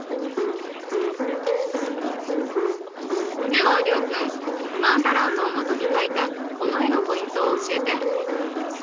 では諒君マンダラートをもとに描いたこの絵のポイントを教えて。